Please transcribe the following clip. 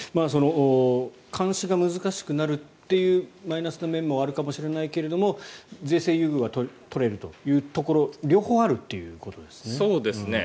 監視が難しくなるというマイナスの面もあるかもしれないけど税制優遇は取れるというところ両方あるということですね。